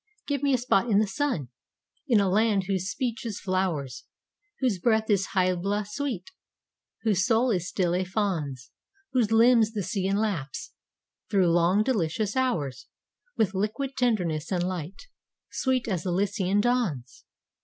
Give me a spot in the sun, In a land whose speech is flowers, Whose breath is Hybla sweet, Whose soul is still a faun's, Whose limbs the sea enlaps, Thro long delicious hours, With liquid tenderness and light Sweet as Elysian dawns.